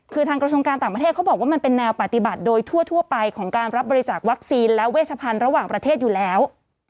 คือทางกระทรวงการต่างประเทศเขาบอกว่ามันเป็นแนวปฏิบัติโดยทั่วไปของการรับบริจาควัคซีนและเวชพันธ์ระหว่างประเทศอยู่แล้ว